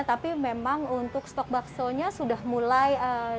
tapi memang untuk stok baksonya sudah mulai